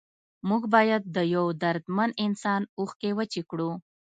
موږ باید د یو دردمند انسان اوښکې وچې کړو.